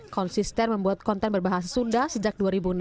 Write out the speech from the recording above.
konsisten membuat konten berbahasa sunda sejak dua ribu enam belas